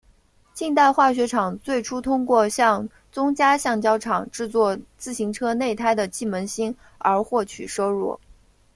近代化学厂最初通过向宗家橡胶厂制作自行车内胎的气门芯而获取收入。